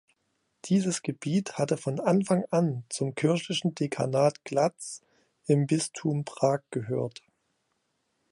Dieses Gebiet hatte von Anfang an zum kirchlichen Dekanat Glatz im Bistum Prag gehört.